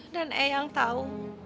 dan ea yang tahu